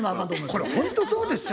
これほんとそうですよ。